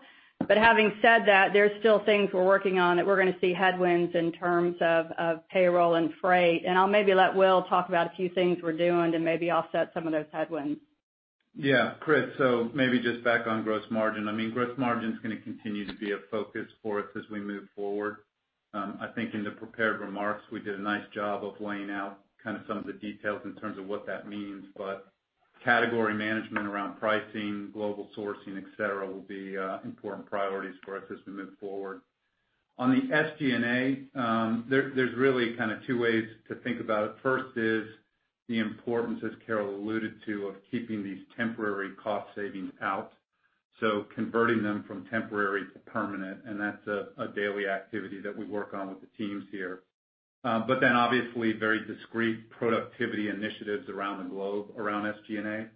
Having said that, there's still things we're working on that we're going to see headwinds in terms of payroll and freight, and I'll maybe let Will talk about a few things we're doing to maybe offset some of those headwinds. Yeah. Chris, maybe just back on gross margin. I mean, gross margin's going to continue to be a focus for us as we move forward. I think in the prepared remarks, we did a nice job of laying out kind of some of the details in terms of what that means, but category management around pricing, global sourcing, et cetera, will be important priorities for us as we move forward. On the SG&A, there's really kind of two ways to think about it. First is the importance, as Carol alluded to, of keeping these temporary cost savings out. Converting them from temporary to permanent, and that's a daily activity that we work on with the teams here. Obviously, very discrete productivity initiatives around the globe, around SG&A,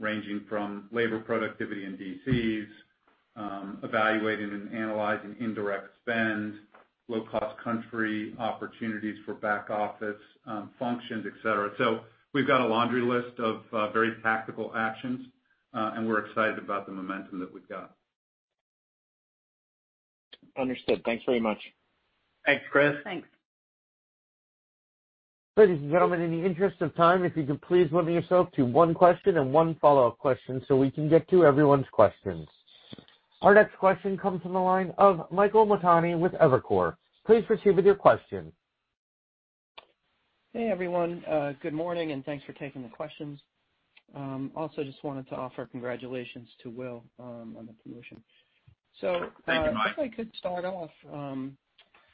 ranging from labor productivity in DCs, evaluating and analyzing indirect spend, low-cost country opportunities for back office functions, et cetera. We've got a laundry list of very tactical actions, and we're excited about the momentum that we've got. Understood. Thanks very much. Thanks, Chris. Thanks. Ladies and gentlemen, in the interest of time, if you could please limit yourself to one question and one follow-up question so we can get to everyone's questions. Our next question comes from the line of Michael Montani with Evercore. Please proceed with your question. Hey, everyone. Good morning, and thanks for taking the questions. Also just wanted to offer congratulations to Will on the promotion. Thank you, Mike. If I could start off,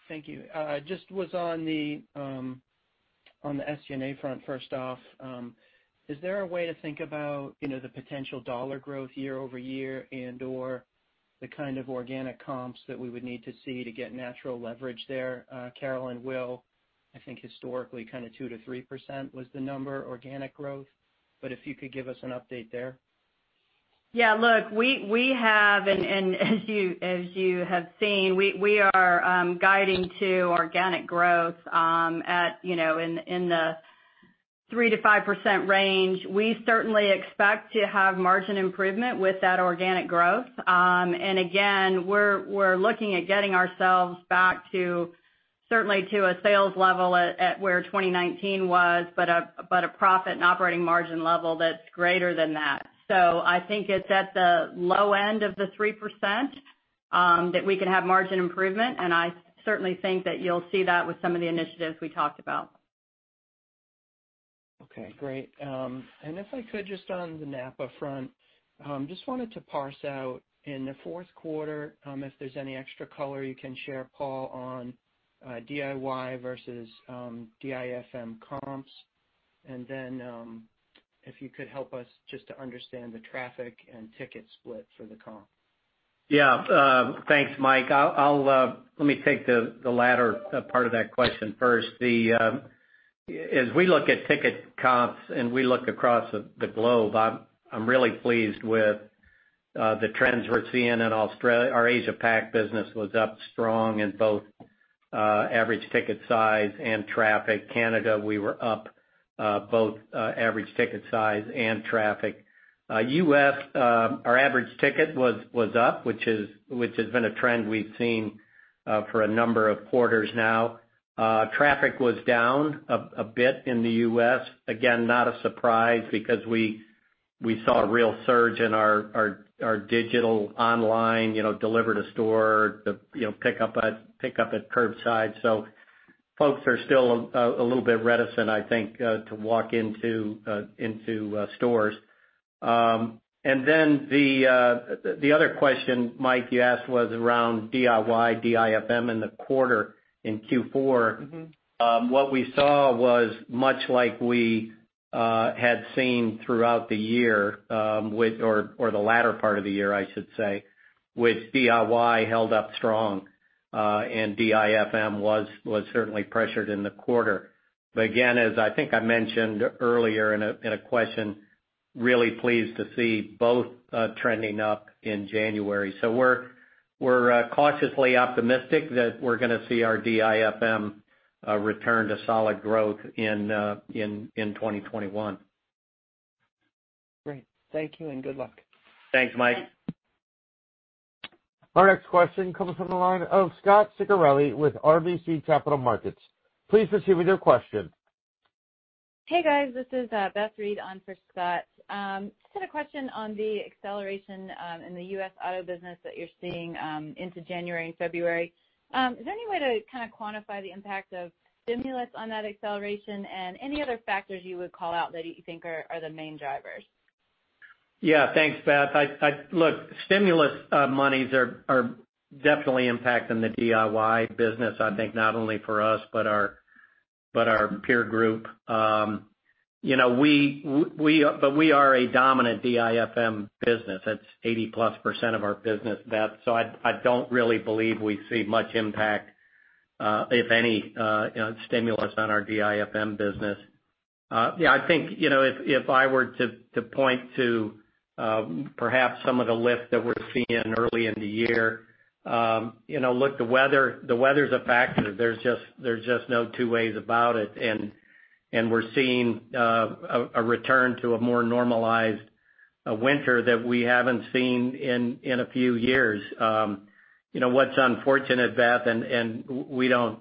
thank you. Just was on the SG&A front, first off. Is there a way to think about the potential dollar growth year-over-year and/or the kind of organic comps that we would need to see to get natural leverage there? Carol and Will, I think historically kind of 2%-3% was the number, organic growth, if you could give us an update there. Yeah, look, we have as you have seen, we are guiding to organic growth in the 3%-5% range. We certainly expect to have margin improvement with that organic growth. Again, we're looking at getting ourselves back certainly to a sales level at where 2019 was, but a profit and operating margin level that's greater than that. I think it's at the low end of the 3% that we could have margin improvement. I certainly think that you'll see that with some of the initiatives we talked about. Okay, great. If I could just on the NAPA front, just wanted to parse out in the fourth quarter, if there's any extra color you can share, Paul, on DIY versus DIFM comps. If you could help us just to understand the traffic and ticket split for the comp. Thanks, Mike. Let me take the latter part of that question first. As we look at ticket comps and we look across the globe, I'm really pleased with the trends we're seeing in Australia. Our Asia Pac business was up strong in both average ticket size and traffic. Canada, we were up both average ticket size and traffic. U.S., our average ticket was up, which has been a trend we've seen for a number of quarters now. Traffic was down a bit in the U.S. Again, not a surprise because we saw a real surge in our digital online, deliver to store, the pick up at curbside. Folks are still a little bit reticent, I think, to walk into stores. The other question, Mike, you asked was around DIY, DIFM in the quarter in Q4. What we saw was much like we had seen throughout the year, or the latter part of the year, I should say, with DIY held up strong, and DIFM was certainly pressured in the quarter. Again, as I think I mentioned earlier in a question, really pleased to see both trending up in January. We're cautiously optimistic that we're gonna see our DIFM return to solid growth in 2021. Great. Thank you and good luck. Thanks, Mike. Our next question comes from the line of Scot Ciccarelli with RBC Capital Markets. Please proceed with your question. Hey, guys. This is Beth Reed on for Scot. Just had a question on the acceleration in the U.S. auto business that you're seeing into January and February. Is there any way to kind of quantify the impact of stimulus on that acceleration and any other factors you would call out that you think are the main drivers? Yeah. Thanks, Beth. Look, stimulus monies are definitely impacting the DIY business, I think not only for us, but our peer group. We are a dominant DIFM business. That's 80%+ of our business, Beth, so I don't really believe we see much impact, if any, stimulus on our DIFM business. Yeah, I think, if I were to point to perhaps some of the lift that we're seeing early in the year. Look, the weather's a factor. There's just no two ways about it, and we're seeing a return to a more normalized winter that we haven't seen in a few years. What's unfortunate, Beth, and we don't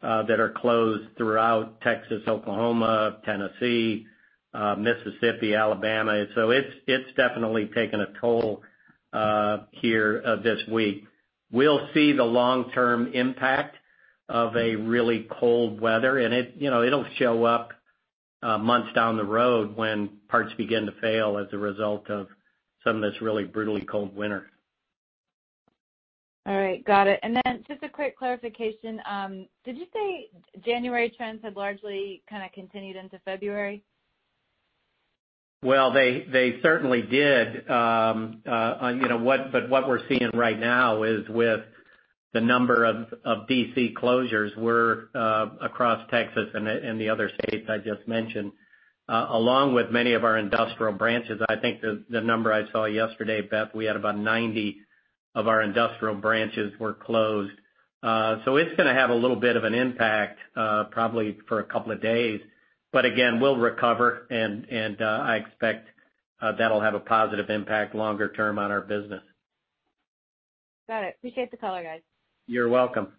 that are closed throughout Texas, Oklahoma, Tennessee, Mississippi, Alabama. It's definitely taken a toll-here, this week. We'll see the long-term impact of a really cold weather, and it'll show up months down the road when parts begin to fail as a result of some of this really brutally cold winter. All right. Got it. Then just a quick clarification. Did you say January trends have largely kind of continued into February? Well, they certainly did. What we're seeing right now is with the number of DC closures were across Texas and the other states I just mentioned, along with many of our industrial branches. I think the number I saw yesterday, Beth, we had about 90 of our industrial branches were closed. It's gonna have a little bit of an impact, probably for a couple of days. Again, we'll recover, and I expect that'll have a positive impact longer term on our business. Got it. Appreciate the color, guys. You're welcome.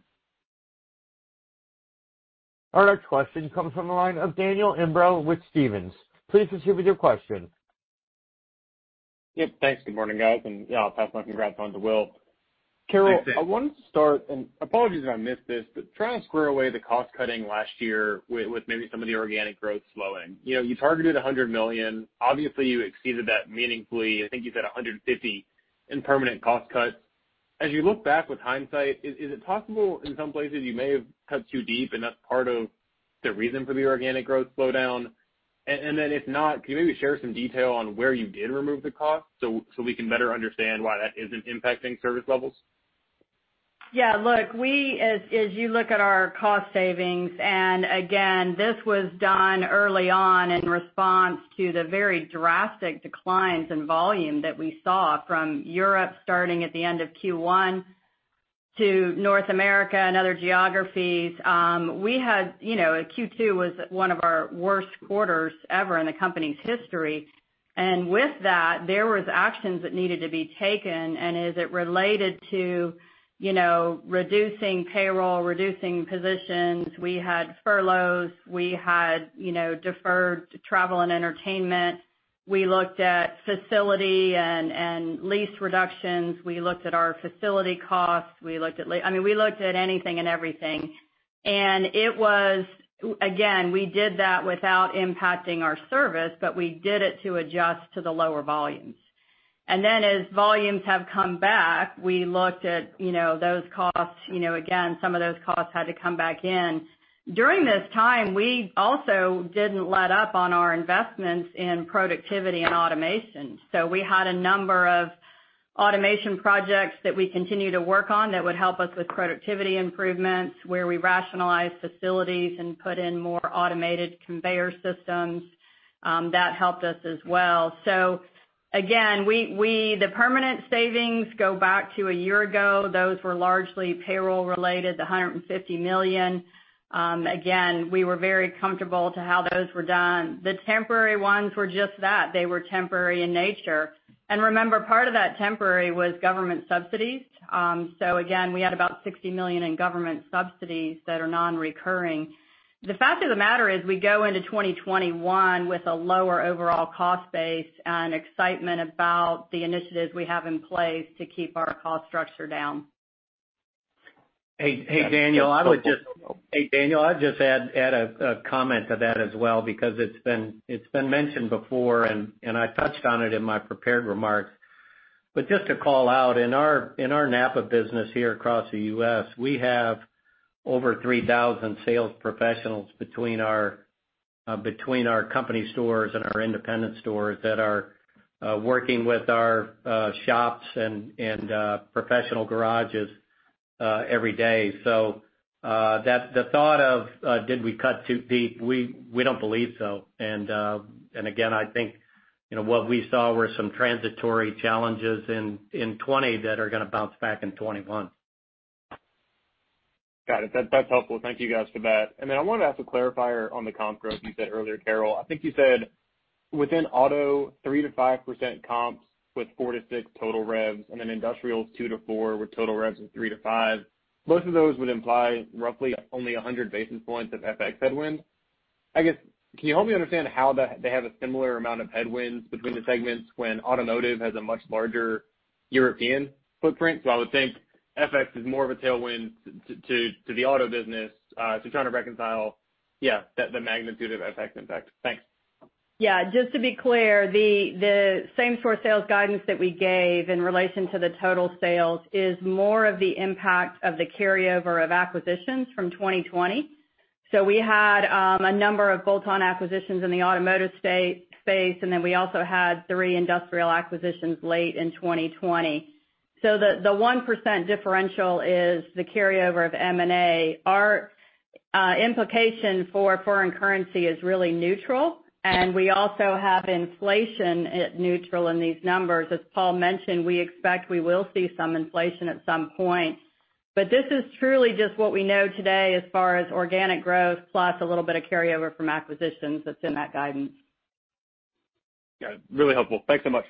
Our next question comes from the line of Daniel Imbro with Stephens. Please proceed with your question. Yep. Thanks. Good morning, guys. Yeah, I'll pass my congrats on to Will. Thanks, Dan. Carol, I wanted to start, and apologies if I missed this, but trying to square away the cost-cutting last year with maybe some of the organic growth slowing. You targeted $100 million. Obviously, you exceeded that meaningfully. I think you said $150 million in permanent cost cuts. As you look back with hindsight, is it possible in some places you may have cut too deep, and that's part of the reason for the organic growth slowdown? If not, can you maybe share some detail on where you did remove the cost so we can better understand why that isn't impacting service levels? Yeah, look, again, this was done early on in response to the very drastic declines in volume that we saw from Europe starting at the end of Q1 to North America and other geographies. Q2 was one of our worst quarters ever in the company's history. With that, there was actions that needed to be taken. As it related to reducing payroll, reducing positions, we had furloughs, we had deferred travel and entertainment. We looked at facility and lease reductions. We looked at our facility costs. I mean, we looked at anything and everything. It was, again, we did that without impacting our service, but we did it to adjust to the lower volumes. Then as volumes have come back, we looked at those costs. Again, some of those costs had to come back in. During this time, we also didn't let up on our investments in productivity and automation. We had a number of automation projects that we continue to work on that would help us with productivity improvements, where we rationalize facilities and put in more automated conveyor systems. That helped us as well. Again, the permanent savings go back to a year ago. Those were largely payroll-related, the $150 million. Again, we were very comfortable to how those were done. The temporary ones were just that. They were temporary in nature. Remember, part of that temporary was government subsidies. Again, we had about $60 million in government subsidies that are non-recurring. The fact of the matter is, we go into 2021 with a lower overall cost base and excitement about the initiatives we have in place to keep our cost structure down. Hey, Daniel. Yeah. Hey, Daniel. I'd just add a comment to that as well because it's been mentioned before, and I touched on it in my prepared remarks. Just to call out, in our NAPA business here across the U.S., we have over 3,000 sales professionals between our company stores and our independent stores that are working with our shops and professional garages every day. The thought of did we cut too deep, we don't believe so. Again, I think what we saw were some transitory challenges in 2020 that are gonna bounce back in 2021. Got it. That's helpful. Thank you guys for that. I wanted to ask a clarifier on the comp growth you said earlier, Carol. I think you said within auto, 3%-5% comps with 4%-6% total revs, and then industrial is 2%-4%, with total revs of 3%-5%. Most of those would imply roughly only 100 basis points of FX headwinds. Can you help me understand how they have a similar amount of headwinds between the segments when automotive has a much larger European footprint? I would think FX is more of a tailwind to the auto business, to try to reconcile the magnitude of FX impact. Thanks. Yeah, just to be clear, the same-store sales guidance that we gave in relation to the total sales is more of the impact of the carryover of acquisitions from 2020. We had a number of bolt-on acquisitions in the automotive space, and then we also had three industrial acquisitions late in 2020. The one percentage differential is the carryover of M&A. Our implication for foreign currency is really neutral, and we also have inflation neutral in these numbers. As Paul mentioned, we expect we will see some inflation at some point. This is truly just what we know today as far as organic growth plus a little bit of carryover from acquisitions that's in that guidance. Yeah, really helpful. Thanks so much.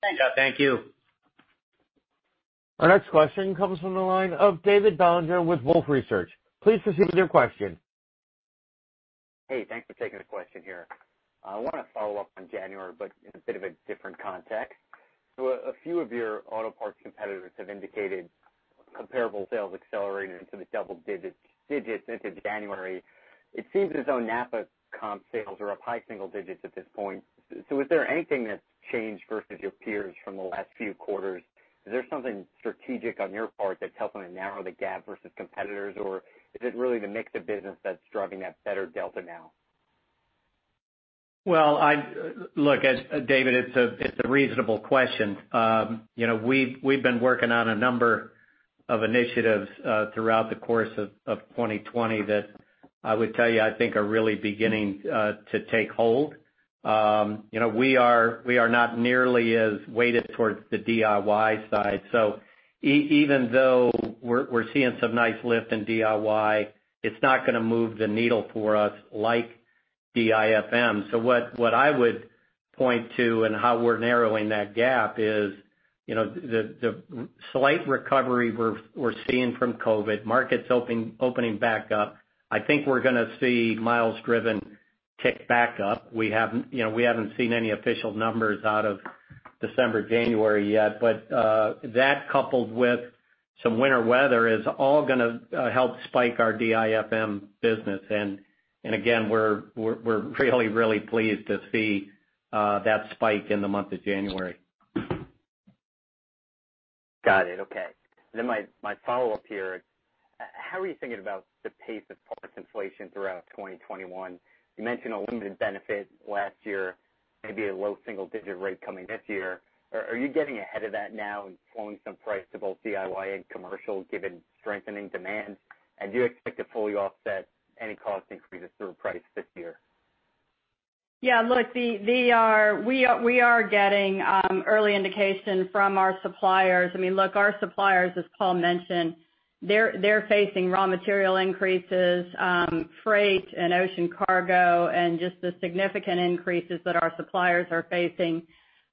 Thanks. Yeah. Thank you. Our next question comes from the line of David Bellinger with Wolfe Research. Please proceed with your question. Hey, thanks for taking the question here. I want to follow up on January, but in a bit of a different context. A few of your auto parts competitors have indicated comparable sales accelerating into the double digits into January. It seems as though NAPA comp sales are up high single digits at this point. Is there anything that's changed versus your peers from the last few quarters? Is there something strategic on your part that's helping to narrow the gap versus competitors, or is it really the mix of business that's driving that better delta now? Well, look, David, it's a reasonable question. We've been working on a number of initiatives throughout the course of 2020 that I would tell you, I think, are really beginning to take hold. We are not nearly as weighted towards the DIY side. Even though we're seeing some nice lift in DIY, it's not going to move the needle for us like DIFM. What I would point to and how we're narrowing that gap is, the slight recovery we're seeing from COVID, markets opening back up. I think we're going to see miles driven tick back up. We haven't seen any official numbers out of December, January yet, but that coupled with some winter weather, is all going to help spike our DIFM business. Again, we're really, really pleased to see that spike in the month of January. Got it. Okay. My follow-up here. How are you thinking about the pace of parts inflation throughout 2021? You mentioned a limited benefit last year, maybe a low single-digit rate coming this year. Are you getting ahead of that now and flowing some price to both DIY and commercial, given strengthening demand? Do you expect to fully offset any cost increases through price this year? Yeah, look, we are getting early indication from our suppliers. I mean, look, our suppliers, as Paul mentioned, they're facing raw material increases, freight and ocean cargo, and just the significant increases that our suppliers are facing,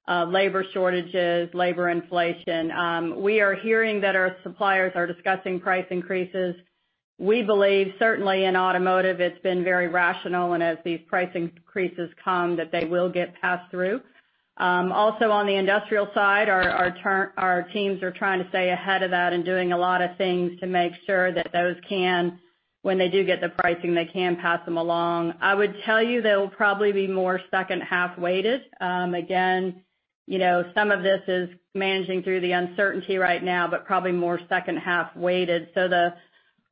labor shortages, labor inflation. We are hearing that our suppliers are discussing price increases. We believe, certainly in automotive, it's been very rational, and as these price increases come, that they will get passed through. Also on the industrial side, our teams are trying to stay ahead of that and doing a lot of things to make sure that those can, when they do get the pricing, they can pass them along. I would tell you they'll probably be more second half-weighted. Some of this is managing through the uncertainty right now, but probably more second half-weighted.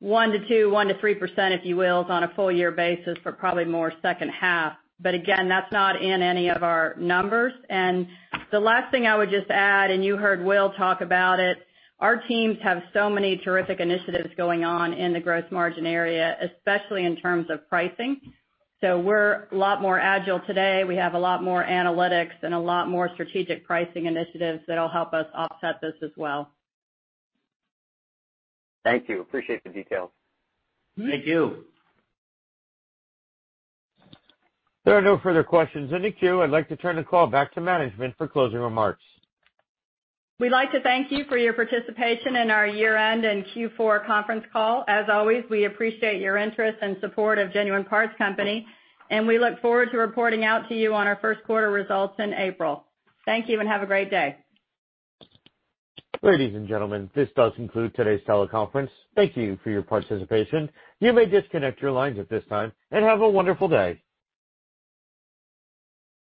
The 1%-2%, 1%-3%, if you will, is on a full-year basis, but probably more second half. Again, that's not in any of our numbers. The last thing I would just add, and you heard Will talk about it, our teams have so many terrific initiatives going on in the gross margin area, especially in terms of pricing. We're a lot more agile today. We have a lot more analytics and a lot more strategic pricing initiatives that'll help us offset this as well. Thank you. Appreciate the details. Thank you. There are no further questions in the queue. I'd like to turn the call back to management for closing remarks. We'd like to thank you for your participation in our year-end and Q4 conference call. As always, we appreciate your interest and support of Genuine Parts Company, and we look forward to reporting out to you on our first quarter results in April. Thank you, and have a great day. Ladies and gentlemen, this does conclude today's teleconference. Thank you for your participation. You may disconnect your lines at this time, and have a wonderful day.